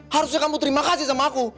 harusnya kamu terima kasih sama aku